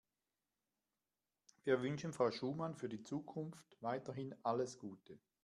Wir wünschen Frau Schumann für die Zukunft weiterhin alles Gute.